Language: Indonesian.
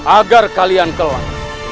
agar kalian kelam